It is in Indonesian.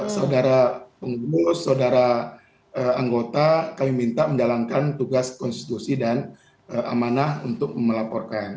saudara pengurus saudara anggota kami minta menjalankan tugas konstitusi dan amanah untuk melaporkan